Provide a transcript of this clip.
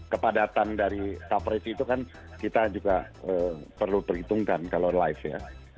kepadatan dari coverage itu kan kita juga perlu perhitungkan kalau live ya